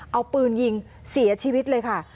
เอาปืนยิงเสียชีวิตเลยค่ะ